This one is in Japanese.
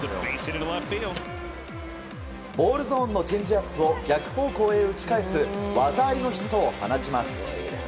ボールゾーンのチェンジアップを逆方向へ打ち返す技ありのヒットを放ちます。